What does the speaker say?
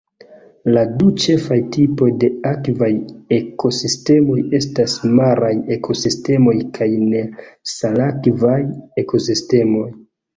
La du ĉefaj tipoj de akvaj ekosistemoj estas maraj ekosistemoj kaj nesalakvaj ekosistemoj.